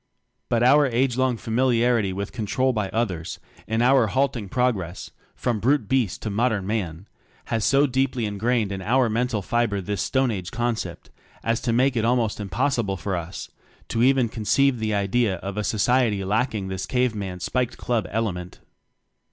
But our age long familiarity wjth "control by others," in our halting progress, from brute beast to modern Man, has so deeply ingrained in our mental fiber this stone age concept as to make it almost impossible for us to even conceive the idea of a society lacking this cave man spiked club element.